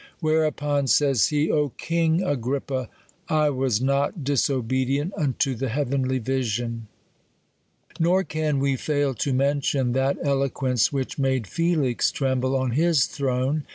Whereupon," says he, " O king Agrippa, I was not disobedient unto the heav enly vision." Nor can we fail to mention that eloquence, which made Felix tremble on his throne.